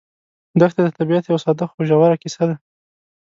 دښته د طبیعت یوه ساده خو ژوره کیسه ده.